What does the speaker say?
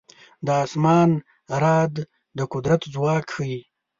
د اسمان رعد د قدرت ځواک ښيي.